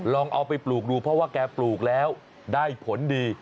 ลองเอาไปปลูกดูเพราะว่าแกปลูกแล้วได้ผลดี